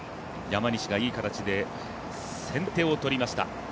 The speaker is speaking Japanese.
山西がいい形で先手をとりました。